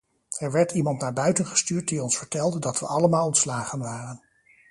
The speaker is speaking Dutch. Er werd iemand naar buiten gestuurd die ons vertelde dat we allemaal ontslagen waren.